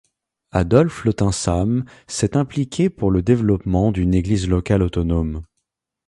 Adolf Lotin Same s'est impliqué pour le développement d'une église locale autonome.